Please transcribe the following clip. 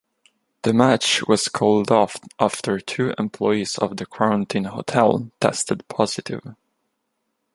The match was called off after two employees of the quarantine hotel tested positive.